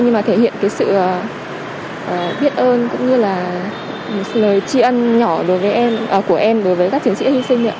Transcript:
nhưng mà thể hiện cái sự biết ơn cũng như là lời tri ân nhỏ của em đối với các chiến sĩ đã hy sinh